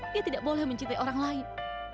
dia tidak boleh mencintai orang lain